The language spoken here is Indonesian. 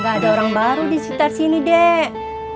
gak ada orang baru disitar sini dek